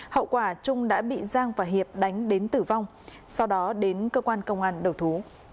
hậu quả trung đã bị giang và hiệp đánh đến tử vong sau đó đến cơ quan công an đầu thú